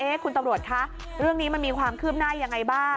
คุณตำรวจคะเรื่องนี้มันมีความคืบหน้ายังไงบ้าง